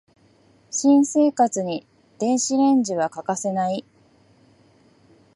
新生活に電子レンジは欠かせない